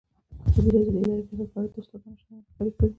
ازادي راډیو د اداري فساد په اړه د استادانو شننې خپرې کړي.